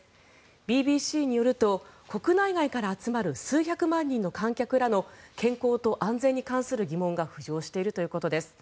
ＢＢＣによると国内外から集まる数百万人の観客らの健康と安全に関する疑問が浮上しているということです。